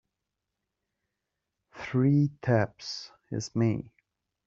Three taps is me.